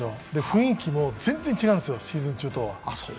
雰囲気も全然違うんですよ、シーズン中とは。